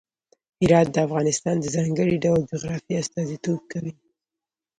هرات د افغانستان د ځانګړي ډول جغرافیه استازیتوب کوي.